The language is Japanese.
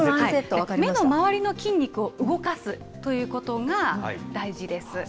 目の周りの筋肉を動かすということが大事です。